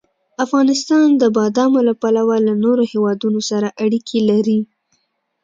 افغانستان د بادامو له پلوه له نورو هېوادونو سره اړیکې لري.